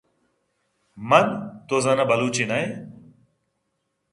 من: تو زاناں بلوچے نہ ئے؟